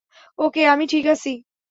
ওকে, আমি ঠিক আছি!